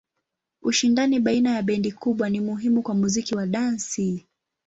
Ushindani baina ya bendi kubwa ni muhimu kwa muziki wa dansi.